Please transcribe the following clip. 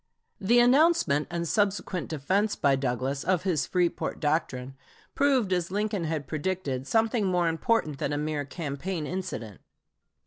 The announcement and subsequent defense by Douglas of his "Freeport doctrine" proved, as Lincoln had predicted, something more important than a mere campaign incident.